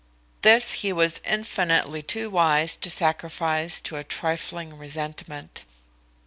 This he was infinitely too wise to sacrifice to a trifling resentment.